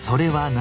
何？